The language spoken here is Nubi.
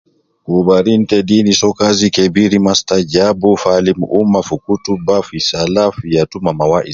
Kubarin te deeni soo kazi kebiri mastajabu fi alim umma fi kutuba, fi sala, ya yatu ,ma wa